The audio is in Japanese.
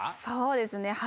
そうですね。